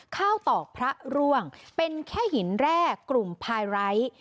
ตอกพระร่วงเป็นแค่หินแรกกลุ่มพายไร้